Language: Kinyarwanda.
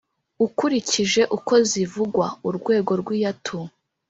Ukurikije uko zivugwa (urwego rw’iyatu),